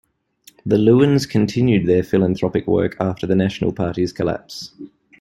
The Loewens continued their philanthropic work after the National Party's collapse.